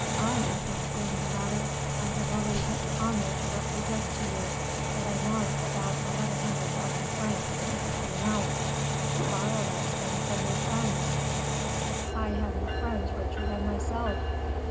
"I!" exclaimed the latter; "I have already had the honor to represent to you that I want about eleven hundred thousand francs to make up the amount." "Borrow that sum from your friends." "I have no friends richer than myself."